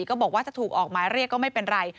ก็บอกว่าจะถูกออกหมายเรียกก็ไม่เป็นไร